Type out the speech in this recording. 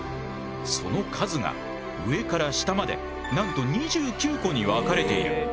その数が上から下までなんと２９個に分かれている。